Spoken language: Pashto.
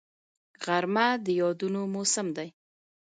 غرمه د یادونو موسم دی